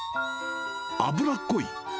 脂っこい。